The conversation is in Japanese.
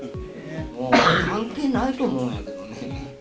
関係ないと思うんやけどね。